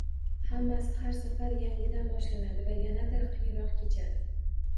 Hammasi har safar yangidan boshlanadi va yanada qiyinroq kechadi